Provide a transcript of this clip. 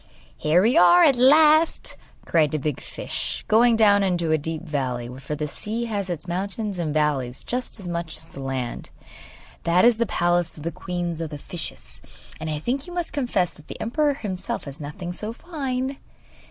'Here we are at last,' cried a big fish, going down into a deep valley, for the sea has its mountains and valleys just as much as the land. 'That is the palace of the queen of the fishes, and I think you must confess that the emperor himself has nothing so fine.